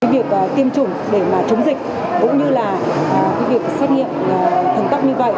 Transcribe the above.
việc tiêm chủng để mà chống dịch cũng như là việc xét nghiệm thần tắc như vậy